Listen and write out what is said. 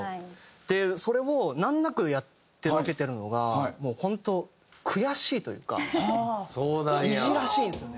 でそれを難なくやってのけてるのがもう本当悔しいというかいじらしいんですよね。